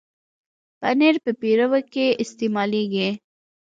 پنېر په پیروکي کې استعمالېږي.